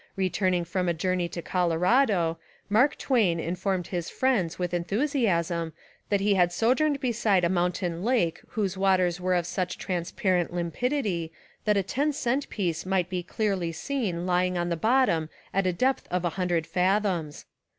Returning from a journey to Colorado, Mark Twain Informed his friends with enthusiasm that he had sojourned beside a mountain lake whose waters were of such transparent limpid ity that a ten cent piece might be clearly seen lying on the bottom at a depth of lOO fathoms.